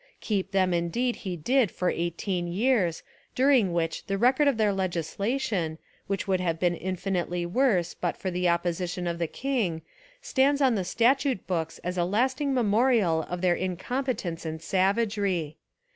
Keep them indeed he did for eighteen years, during which the rec ord of their legislation, which would have been infinitely worse but for the opposition of the king, stands on the statute books as a lasting memorial of their incompetence and savagery.